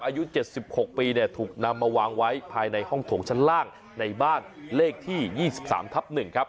อายุเจ็ดสิบหกปีเนี่ยถูกนำมาวางไว้ภายในห้องโถงชั้นล่างในบ้านเลขที่ยี่สิบสามทับหนึ่งครับ